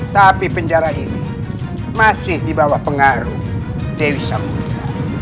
tapi penjara ini masih di bawah pengaruh dari samudera